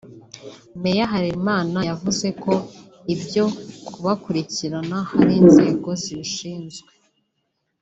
Mayor Harerimana yavuze ko ‘ibyo kubakurikirana hari inzego zibishinzwe’